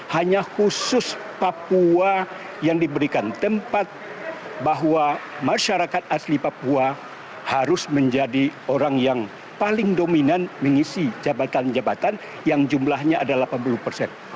hanya khusus papua yang diberikan tempat bahwa masyarakat asli papua harus menjadi orang yang paling dominan mengisi jabatan jabatan yang jumlahnya ada delapan puluh persen